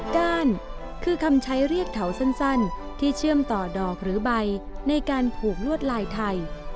ก้านคือคำใช้เรียกเถาสั้นที่เชื่อมต่อดอกหรือใบในการผูกลวดลายไทย